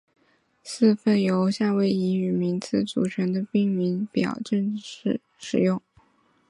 四份由夏威夷语名字组成的命名表正在使用。